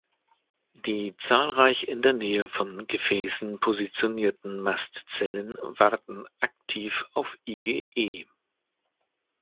Die zahlreich in der Nähe von Gefäßen positionierten Mastzellen warten aktiv auf IgE.